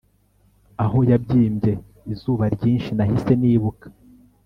aho yabyimbye izuba ryinshi nahise nibuka